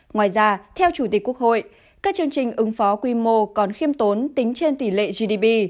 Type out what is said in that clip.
ngoài ra theo chủ tịch quốc hội các chương trình ứng phó quy mô còn khiêm tốn tính trên tỷ lệ gdp